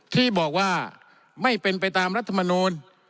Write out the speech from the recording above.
ที่บอกว่าไม่เป็นไปตามรัฐมนูล